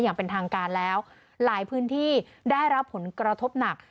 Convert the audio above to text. อย่างเป็นทางการแล้วหลายพื้นที่ได้รับผลกระทบหนัก